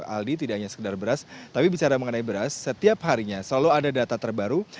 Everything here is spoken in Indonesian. aldi tidak hanya sekedar beras tapi bicara mengenai beras setiap harinya selalu ada data terbaru